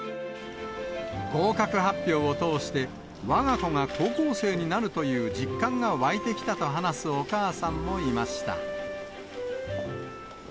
合格発表を通して、わが子が高校生になるという実感が湧いてきたと話すお母さんもいました。